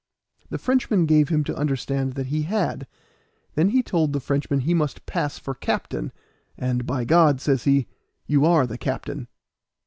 The Frenchman gave him to understand that he had. Then he told the Frenchman he must pass for captain, and "by G d," says he, "you are the captain."